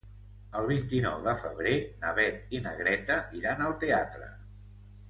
El vint-i-nou de febrer na Beth i na Greta iran al teatre.